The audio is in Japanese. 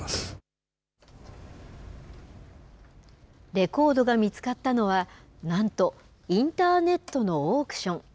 レコードが見つかったのはなんと、インターネットのオークション。